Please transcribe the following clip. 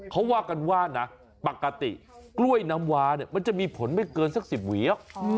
เขาว่ากันว่าปกติกล้วยน้ำวามันจะมีผลไม่เกินสัก๑๐หวี